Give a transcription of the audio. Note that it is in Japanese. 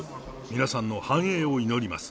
皆さんの繁栄を祈ります。